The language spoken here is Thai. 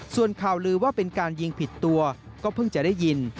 ส่วนข่าวลือว่าเป็นการยิงผิดตัวก็เพิ่งจะได้ยิน